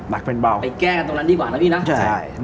ไปแก้ตรงนั้นดีกว่านะพี่นะ